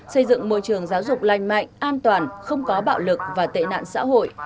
xây dựng môi trường giáo dục lành mạnh an toàn không có bạo lực và tệ nạn xã hội